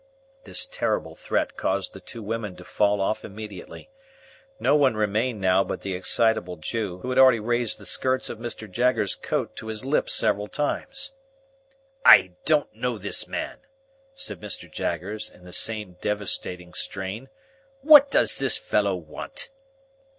This terrible threat caused the two women to fall off immediately. No one remained now but the excitable Jew, who had already raised the skirts of Mr. Jaggers's coat to his lips several times. "I don't know this man!" said Mr. Jaggers, in the same devastating strain: "What does this fellow want?"